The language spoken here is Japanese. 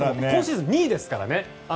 今シーズン２位ですからね